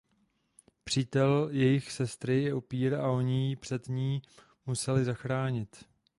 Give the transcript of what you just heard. Přítel jejich sestry je upír a oni ji před ním musejí zachránit.